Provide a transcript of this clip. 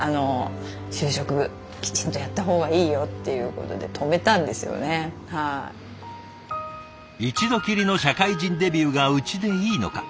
それで一旦一度きりの社会人デビューがうちでいいのか。